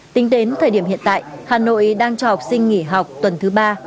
tính đến thời điểm hiện tại hà nội đang cho học sinh nghỉ học tuần thứ ba